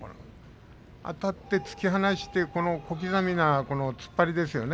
あたって突き放して小刻みな突っ張りですよね。